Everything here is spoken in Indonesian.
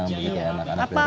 begitu anak anak dari